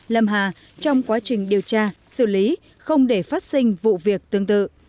lâm hà trong quá trình điều tra xử lý không để phát sinh vụ việc tương tự